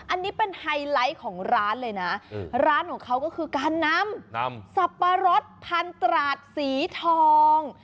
อันนี้เป็นไฮไลท์ของร้านเลยนะร้านของเขาก็คือการนำสับปะรดพันตราดสีทอง